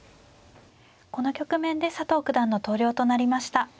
この局面で佐藤九段の投了となりました。